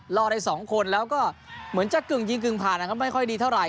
รอดได้๒คนแล้วก็เหมือนจะกึ่งยิงกึ่งผ่านนะครับไม่ค่อยดีเท่าไห